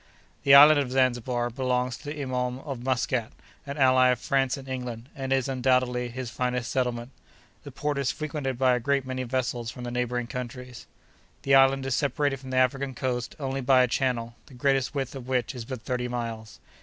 The island of Zanzibar belongs to the Imaum of Muscat, an ally of France and England, and is, undoubtedly, his finest settlement. The port is frequented by a great many vessels from the neighboring countries. The island is separated from the African coast only by a channel, the greatest width of which is but thirty miles.